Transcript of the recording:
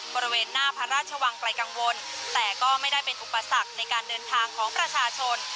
บริเวณหน้าพระราชวังไกลกังวลแต่ก็ไม่ได้เป็นอุปสรรคในการเดินทางของประชาชน